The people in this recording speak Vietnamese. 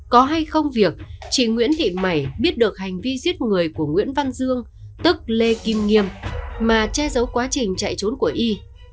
có hay không việc chị nguyễn thị mẩy biết được hành vi giết người của nguyễn văn dương tức lê kim nghiêm mà che giấu quá trình chạy trốn của y